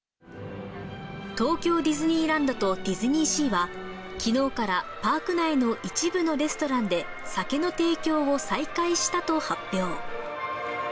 東京ディズニーランドとディズニーシーは、きのうからパーク内の一部のレストランで、酒の提供を再開したと発表。